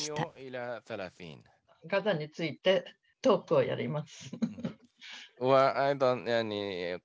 ガザについてトークをやります。